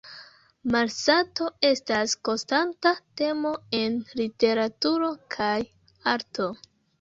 Malsato estas konstanta temo en literaturo kaj arto.